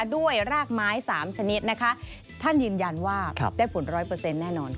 ด้วยรากไม้สามชนิดท่านยืนยันว่าได้ผล๑๐๐แน่นอน